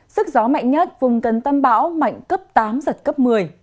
sức gió mạnh nhất vùng gần tâm bão mạnh cấp tám giật cấp một mươi